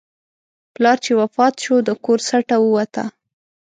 پلار چې وفات شو، د کور سټه ووته.